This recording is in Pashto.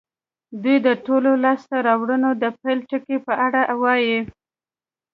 دوی د ټولو لاسته راوړنو د پيل ټکي په اړه وايي.